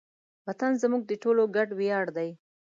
وطن زموږ د ټولو ګډ ویاړ دی.